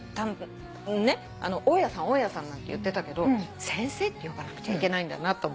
大屋さん大屋さんなんて言ってたけど先生って呼ばなくちゃいけないんだなと。